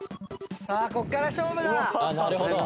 さあここから勝負だ。